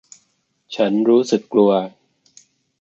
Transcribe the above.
ฉันรู้สึกกลัว